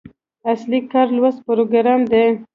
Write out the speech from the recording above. اصلي کار لوست پروګرام دی.